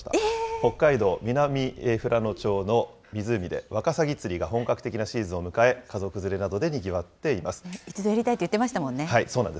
北海道南富良野町の湖で、ワカサギ釣りが本格的なシーズンを迎え、家族連れなどでにぎわっ一度やりたいと言ってましたそうなんです。